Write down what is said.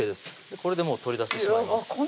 これでもう取り出してしまいます